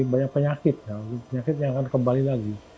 tapi banyak penyakit penyakit yang akan kembali lagi